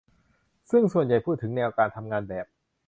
ซึ่งส่วนใหญ่พูดถึงแนวการทำงานแบบ